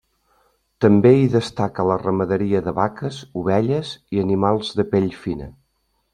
També hi destaca la ramaderia de vaques, ovelles i animals de pell fina.